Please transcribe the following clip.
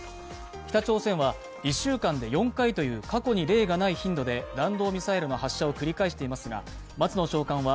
北朝鮮は１週間で４回という過去に例がない頻度で弾道ミサイルの発射を繰り返していますが、松野長官は